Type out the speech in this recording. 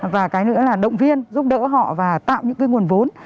và cái nữa là động viên giúp đỡ họ và tạo những cái nguồn vốn